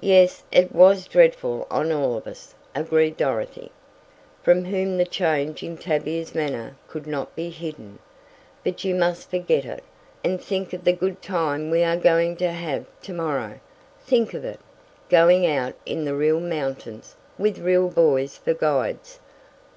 "Yes, it was dreadful on all of us," agreed Dorothy, from whom the change in Tavia's manner could not be hidden. "But you must forget it, and think of the good time we are going to have to morrow. Think of it! Going out in the real mountains, with real boys for guides!